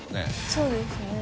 そうですね。